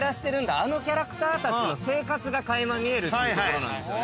あのキャラクターたちの生活が垣間見えるって所なんですよ。